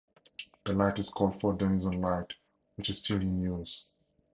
The light is called Fort Denison Light, which is still in use.